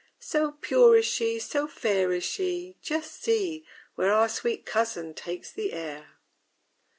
So pure is she, so fair is she, Just see, Where our sweet cousin takes the air!